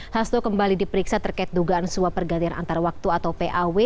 hasto kembali diperiksa terkait dugaan suap pergantian antar waktu atau paw